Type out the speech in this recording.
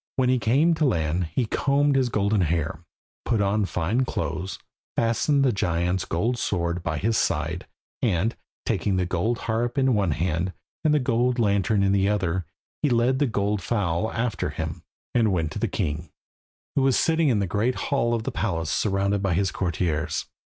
When he came to land, he combed his golden hair, put on fine clothes, fastened the giant's gold sword by his side, and, taking the gold harp in one hand and the gold lantern in the other, he led the gold fowl after him, and went to the king, who was sitting in the great hall of the palace surrounded by his courtiers.